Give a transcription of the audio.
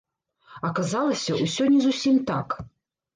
Аказалася, усё не зусім так.